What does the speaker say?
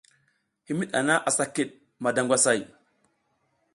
Himid hana asa kid mada ngwasay.